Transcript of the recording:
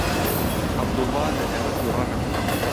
عەبدوڵڵا لە ئێمە تووڕە نەبوو.